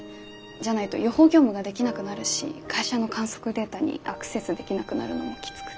じゃないと予報業務ができなくなるし会社の観測データにアクセスできなくなるのもきつくて。